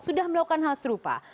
sudah melakukan hal serupa